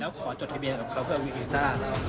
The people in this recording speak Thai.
แล้วขอจดทะเบียนกับเขาเพื่อวีวีซ่าแล้ว